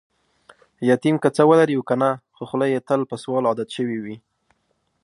یتیم که څه ولري او کنه، خوخوله یې تل په سوال عادت شوې وي.